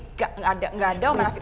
nggak ada om rafiq